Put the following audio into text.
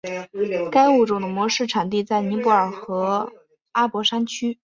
该物种的模式产地在尼泊尔和阿波山区。